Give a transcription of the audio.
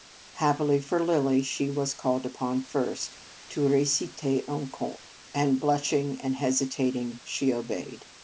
Happily for Lilly, she was called upon first to " reciter un conte," and, blushing 176 Marriage Vows and hesitating, she obeyed.